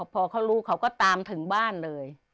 พอเขารู้เขาก็ตามถึงบ้านเลย